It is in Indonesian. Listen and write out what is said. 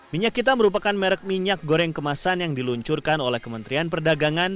minyak kita merupakan merek minyak goreng kemasan yang diluncurkan oleh kementerian perdagangan